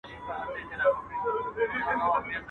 په یوه او بل نامه یې وو بللی.